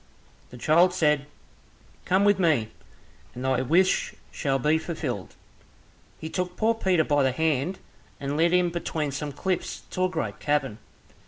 The child said, "Come with me, and thy wish shall be fulfilled." He took poor Peter by the hand, and led him between some cliffs to a great cavern.